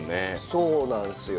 そうなんですよ。